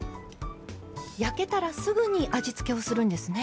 焼けたらすぐに味付けをするんですね。